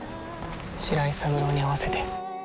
白井三郎に会わせて。